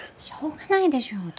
しょうがないでしょ。